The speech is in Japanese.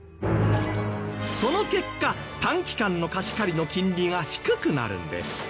その結果短期間の貸し借りの金利が低くなるんです。